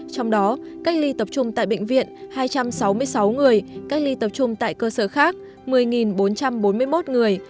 trong đó cách ly tập trung tại bệnh viện hai trăm sáu mươi sáu người cách ly tập trung tại cơ sở khác một mươi bốn trăm bốn mươi một người